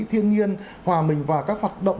thiên nhiên hòa mình vào các hoạt động